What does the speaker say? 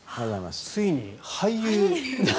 ついに、俳優。